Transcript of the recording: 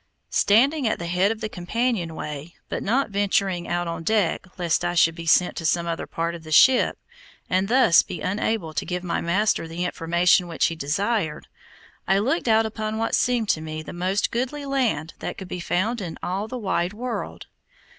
Standing at the head of the companionway, but not venturing out on deck lest I should be sent to some other part of the ship, and thus be unable to give my master the information which he desired, I looked out upon what seemed to me the most goodly land that could be found in all the wide world.